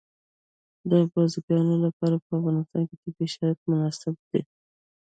د بزګانو لپاره په افغانستان کې طبیعي شرایط مناسب دي.